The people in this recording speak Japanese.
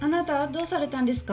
どうされたんですか？